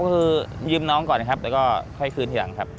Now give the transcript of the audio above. ก็คือยืมน้องก่อนนะครับแล้วก็ค่อยคืนทีหลังครับ